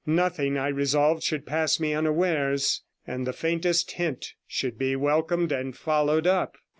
Nothing, I resolved, should pass me unawares, and the faintest hint should be welcomed and followed up.